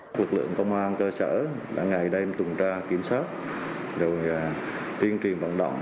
các lực lượng công an cơ sở ngày đêm tuần tra kiểm soát tuyên truyền vận động